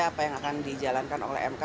apa yang akan dijalankan oleh mk